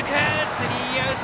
スリーアウト。